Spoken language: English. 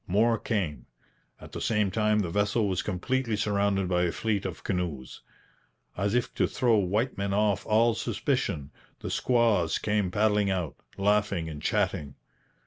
More came. At the same time the vessel was completely surrounded by a fleet of canoes. As if to throw the white men off all suspicion, the squaws came paddling out, laughing and chatting.